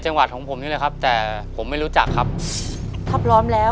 จังหวัดของผมนี่แหละครับแต่ผมไม่รู้จักครับถ้าพร้อมแล้ว